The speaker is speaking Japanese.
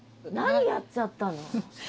何やっちゃったの？